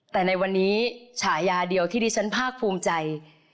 แต่ในวันนี้ฉายาเดียวที่ดิฉันภาคภูมิใจ